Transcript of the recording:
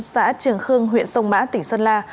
xã trường khương huyện sông mã tỉnh sơn la